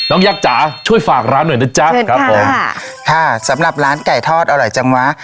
ยักษ์จ๋าช่วยฝากร้านหน่อยนะจ๊ะใช่ครับผมค่ะค่ะสำหรับร้านไก่ทอดอร่อยจังวะ